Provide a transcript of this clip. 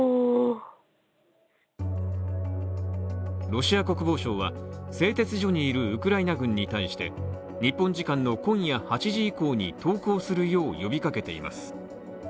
ロシア国防省は製鉄所にいるウクライナ軍に対して、日本時間の今夜８時以降に投降するよう呼びかけています。